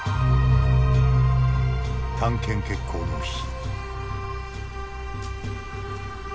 探検決行の日。